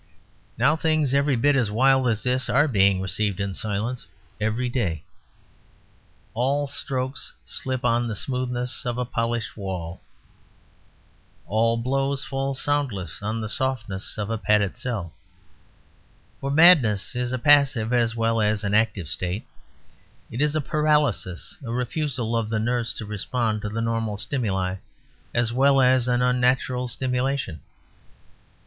Now things every bit as wild as this are being received in silence every day. All strokes slip on the smoothness of a polished wall. All blows fall soundless on the softness of a padded cell. For madness is a passive as well as an active state: it is a paralysis, a refusal of the nerves to respond to the normal stimuli, as well as an unnatural stimulation.